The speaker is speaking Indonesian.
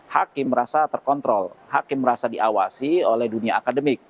hakim merasa terkontrol hakim merasa diawasi oleh dunia akademik